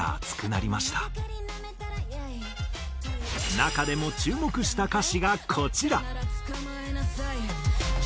中でも注目した歌詞がこちら！